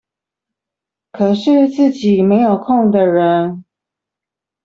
可是自己沒有空的人